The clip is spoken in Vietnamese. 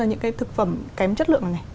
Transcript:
những cái thực phẩm kém chất lượng này